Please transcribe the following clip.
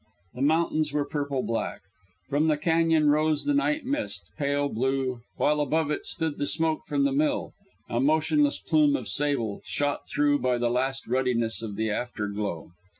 The mountains were purple black. From the cañon rose the night mist, pale blue, while above it stood the smoke from the mill, a motionless plume of sable, shot through by the last ruddiness of the afterglow.